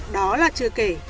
đó là chưa kể